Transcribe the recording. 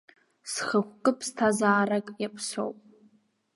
Схықәкы ԥсҭазаарак иаԥсоуп.